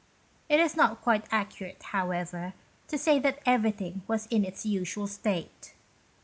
It is not quite accurate, however, to say that everything was in its usual state.